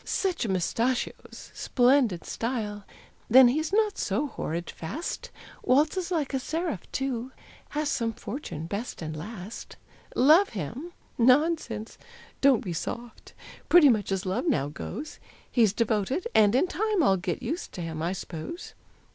Such mustachios! splendid style! Then he's not so horrid fast Waltzes like a seraph, too; Has some fortune best and last. Love him? Nonsense. Don't be "soft;" Pretty much as love now goes; He's devoted, and in time I'll get used to him, I 'spose.